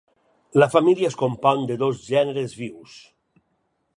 La família es compon de dos gèneres vius.